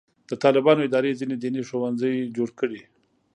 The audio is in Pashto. د طالبانو ادارې ځینې دیني ښوونځي جوړ کړي.